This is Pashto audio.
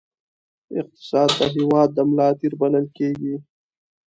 اقتصاد د هېواد د ملا تیر بلل کېږي.